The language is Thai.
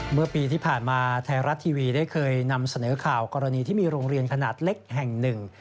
เมื่อปีที่ผ่านมาไทยรัฐทีวีได้เคยนำเสนอข่าวกรณีที่มีโรงเรียนขนาดเล็กแห่งหนึ่ง